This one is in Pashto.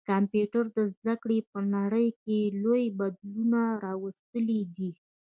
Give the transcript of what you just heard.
کمپيوټر د زده کړي په نړۍ کي لوی بدلون راوستلی دی.